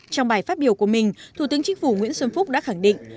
trong bài phát biểu của mình thủ tướng chính phủ nguyễn xuân phúc đã khẳng định